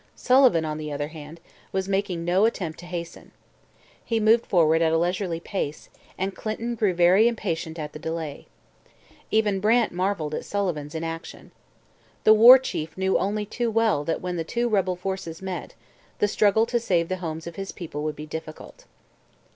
Sullivan, on the other hand, was making no attempt to hasten. He moved forward at a leisurely pace, and Clinton grew very impatient at the delay. Even Brant marvelled at Sullivan's inaction. The War Chief knew only too well that when the two rebel forces met the struggle to save the homes of his people would be difficult.